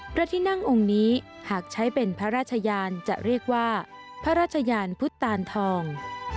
พระที่นั่งองค์นี้หากใช้เป็นพระราชยานจะเรียกว่าพระราชยานพุทธตานทอง